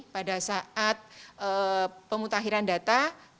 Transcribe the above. pada saat pemutakhiran data